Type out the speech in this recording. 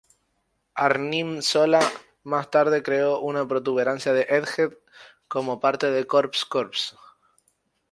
Arnim Zola más tarde creó una protuberancia de Egghead como parte de Corpse Corps.